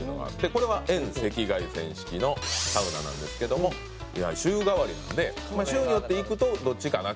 「これは遠赤外線式のサウナなんですけども週替わりなんで週によって行くとどっちかな